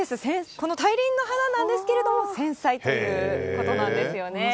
この大輪の花なんですけども、繊細ということなんですよね。